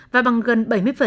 và bằng gần bảy mươi